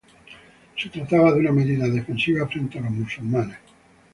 Se trataba de una medida defensiva frente a los musulmanes.